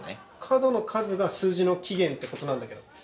角の数が数字の起源ってことなんだけど。